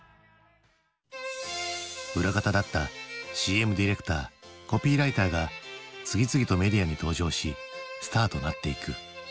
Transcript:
裏方だったＣＭディレクターコピーライターが次々とメディアに登場しスターとなっていく。